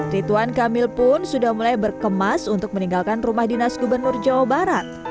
rituan kamil pun sudah mulai berkemas untuk meninggalkan rumah dinas gubernur jawa barat